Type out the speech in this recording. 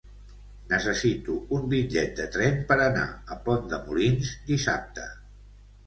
Necessito un bitllet de tren per anar a Pont de Molins dissabte.